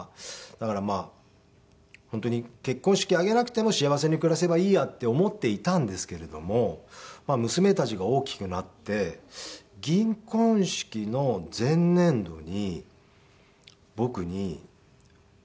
だから本当に結婚式挙げなくても幸せに暮らせばいいやって思っていたんですけれども娘たちが大きくなって銀婚式の前年度に僕に「来年銀婚式だよね」